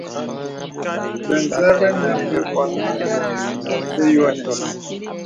Bə̀ zə bə nə bə̀bònè bə yoanɛ̀s.